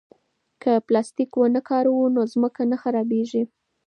که پلاستیک ونه کاروو نو ځمکه نه خرابېږي.